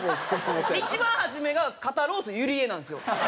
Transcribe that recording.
一番初めが「肩ロースゆりえ」なんですよ。